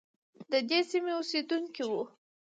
ددې سیمې اوسیدونکی وو.